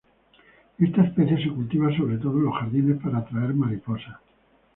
Esta especie se cultiva sobre todo en los jardines para atraer mariposas.